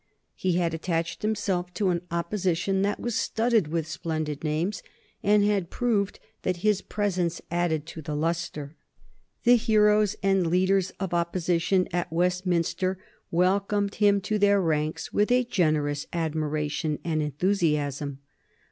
He had attached himself to an Opposition that was studded with splendid names, and had proved that his presence added to its lustre. The heroes and leaders of Opposition at Westminster welcomed him to their ranks with a generous admiration and enthusiasm.